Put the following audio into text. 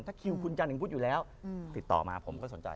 ถ้าคิวคุณจันทร์ถึงพุธอยู่แล้วติดต่อมาผมก็สนใจ